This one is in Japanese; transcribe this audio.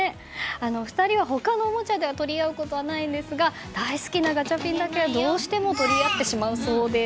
２人は他のおもちゃでは取り合うことはないんですが大好きなガチャピンだけはどうしても取り合ってしまうそうです。